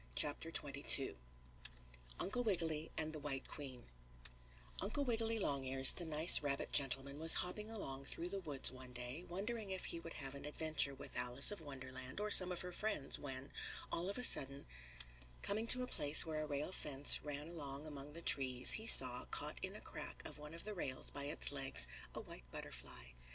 CHAPTER XXII UNCLE WIGGILY AND THE WHITE QUEEN Uncle Wiggily Longears, the nice rabbit gentleman, was hopping along through the woods one day, wondering if he would have an adventure with Alice of Wonderland or some of her friends, when, all of a sudden, coming to a place where a rail fence ran along among the trees he saw, caught in a crack of one of the rails by its legs, a white butterfly.